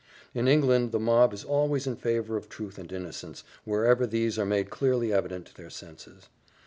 In England the mob is always in favour of truth and innocence, wherever these are made clearly evident to their senses.